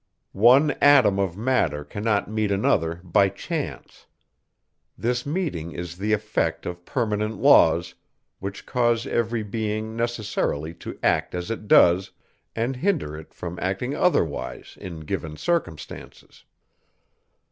One atom of matter cannot meet another by chance; this meeting is the effect of permanent laws, which cause every being necessarily to act as it does, and hinder it from acting otherwise, in given circumstances.